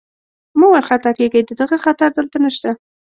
مه وارخطا کېږئ، د دغه خطر دلته نشته.